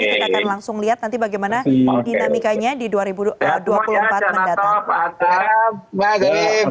kita akan langsung lihat nanti bagaimana dinamikanya di dua ribu dua puluh empat mendatang